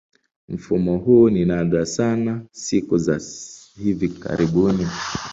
Mfumo huu ni nadra sana siku za hivi karibuni.